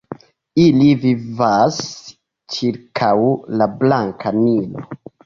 Ili vivas ĉirkaŭ la Blanka Nilo.